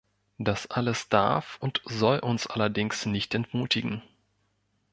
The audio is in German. Das alles darf und soll uns allerdings nicht entmutigen.